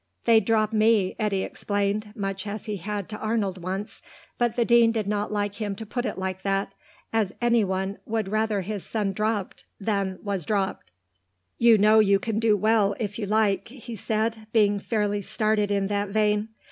"They drop me," Eddy explained, much as he had to Arnold once, but the Dean did not like him to put it like that, as anyone would rather his son dropped than was dropped. "You know you can do well if you like," he said, being fairly started in that vein.